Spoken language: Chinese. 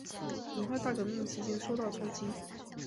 文化大革命期间受到冲击。